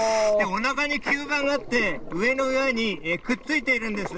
おなかに吸盤があって、上の岩にくっついているんです。